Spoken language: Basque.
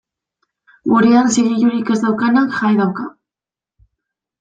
Gurean, zigilurik ez daukanak jai dauka.